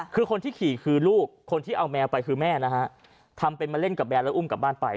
คือคนที่ขี่คือลูกคนที่เอาแมวไปคือแม่นะฮะทำเป็นมาเล่นกับแมวแล้วอุ้มกลับบ้านไป